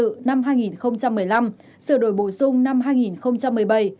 điều một trăm tám mươi tám bộ luật hình sự năm hai nghìn một mươi năm sửa đổi bổ sung năm hai nghìn một mươi bảy